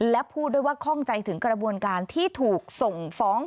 และพูดด้วยว่าข้องใจถึงกระบวนการที่ถูกส่งฟ้อง